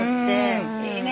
いいね。